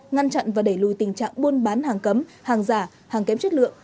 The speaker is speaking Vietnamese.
ngăn chặn và đẩy lùi tình trạng buôn bán hàng cấm hàng giả hàng kém chất lượng